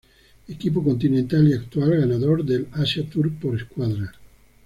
Equipo Continental y actual ganador del Asia tour por escuadras.